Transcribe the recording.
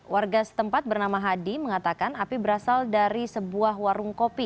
warga setempat bernama hadi mengatakan api berasal dari sebuah warung kopi